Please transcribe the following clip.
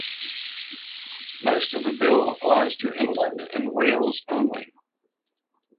Most of the bill applies to England and Wales only.